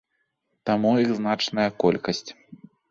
Таму іх значная колькасць.